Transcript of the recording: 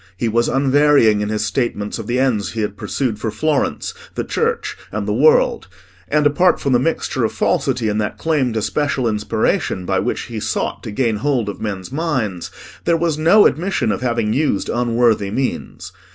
He was unvarying in his statement of the ends he had pursued for Florence, the Church, and the world; and, apart from the mixture of falsity in that claim to special inspiration by which he sought to gain hold of men's minds, there was no admission of having used unworthy means.